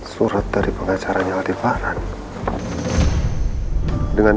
surat dari pengacaranya latifahran